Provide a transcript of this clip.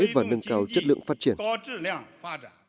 và nâng cao doanh nghiệp